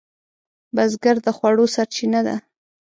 بزګر د خوړو سرچینه ده